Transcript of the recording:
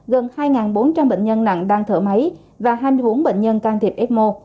gần hai bốn trăm linh bệnh nhân nặng đang thở máy và hai mươi bốn bệnh nhân can thiệp ecmo